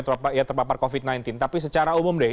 terpapar covid sembilan belas tapi secara umum deh